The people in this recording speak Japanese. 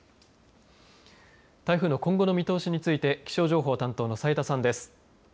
台風の今後の見通しについて気象情報担当の斉田さんです。